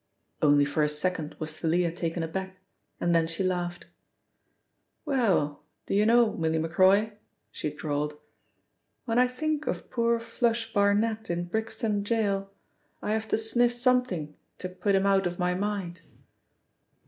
Only for a second was Thalia taken aback, and then she laughed. "Well, do you know, Milly Macroy," she drawled, "when I think of poor 'Flush' Barnet in Brixton Gaol, I have to sniff something to put him out of my mind."